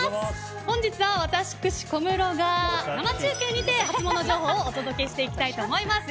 本日は私、小室が生中継にてハツモノ情報をお届けしていきたいと思います。